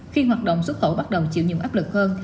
khi hoạt động xuất khẩu bắt đầu chịu nhiều áp lực hơn